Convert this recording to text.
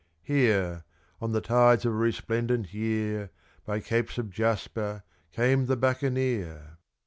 Here, on the tides of a resplendent year, By capes of jasper, came the buccaneer.